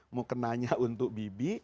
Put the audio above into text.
mau tanya untuk bibi